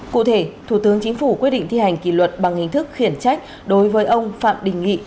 cụ thể thủ tướng chính phủ quyết định thi hành kỷ luật bằng hình thức khiển trách đối với ông phạm đình nghị